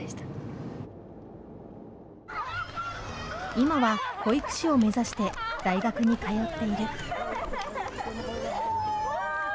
今は保育士を目指して大学に通っている。